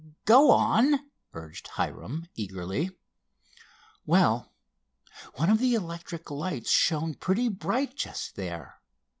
"Go on," urged Hiram eagerly. "Well, one of the electric lights shone pretty bright just there.